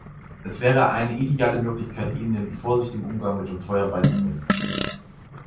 Es wäre eine ideale Möglichkeit, ihnen den vorsichtigen Umgang mit Feuer beizubringen.